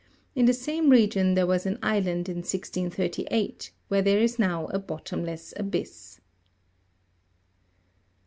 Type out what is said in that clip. In the same region there was an island in 1 633, where there is now a bottomless abyss.